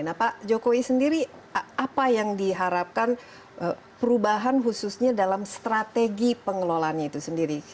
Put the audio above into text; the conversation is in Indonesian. nah pak jokowi sendiri apa yang diharapkan perubahan khususnya dalam strategi pengelolaannya itu sendiri